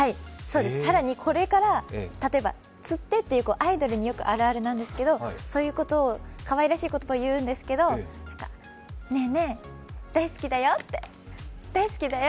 更にこれから例えば「つって」ていうアイドルによくあるあるなんですけど、そういうかわいらしい言葉を言うんですけど、ねぇねぇ、大好きだよって。